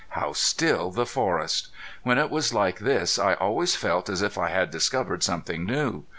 How still the forest! When it was like this I always felt as if I had discovered something new.